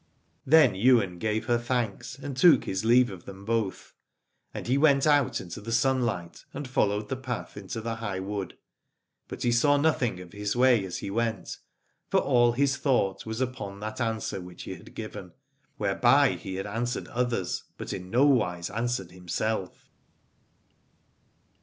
Then Ywain gave her thanks, and took his leave of them both : and he went out into the sunlight, and followed the path into the high wood. But he saw nothing of his way as he went, for all his thought was upon that answer which he had given, whereby he had answered others, but in no wise answered himself.